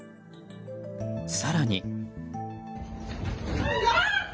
更に。